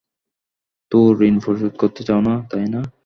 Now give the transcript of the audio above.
তো, ঋণ পরিশোধ করতে চাও না, তাই না?